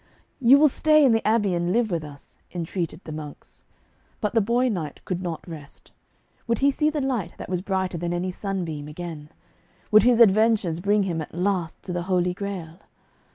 'You will stay in the abbey and live with us,' entreated the monks. But the boy knight could not rest. Would he see the light that was brighter than any sunbeam again? Would his adventures bring him at last to the Holy Grail?